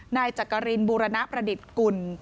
นายจักรินบูรณประดิษฐ์กุล